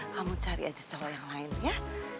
kamu cari aja cowok yang lain ya